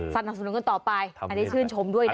สนับสนุนกันต่อไปอันนี้ชื่นชมด้วยนะ